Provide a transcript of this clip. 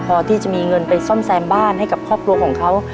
พอที่จะมีเงินไปซ่อมแซมบ้านให้กับครอบครัวของเขา